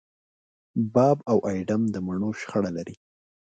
باب او اېډم د مڼو شخړه لري.